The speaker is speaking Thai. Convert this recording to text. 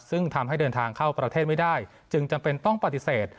ซึ่งทำให้เดินทางเข้าประเทศไม่ได้จึงจำเป็นต้องปฏิเสธ